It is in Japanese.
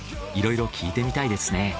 いろいろ聞いてみたいですね。